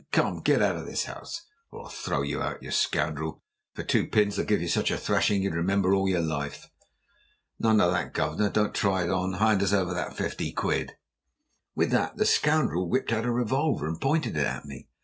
Come, get out of this house or I'll throw you out. You scoundrel, for two pins I'd give you such a thrashing as you'd remember all your life!" "None o' that, governor. Don't you try it on. Hand us over that fifty quid." With that the scoundrel whipped out a revolver and pointed it at me.